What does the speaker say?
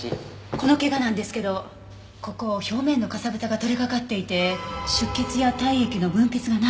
このけがなんですけどここ表面のかさぶたが取れかかっていて出血や体液の分泌がないようなんですが。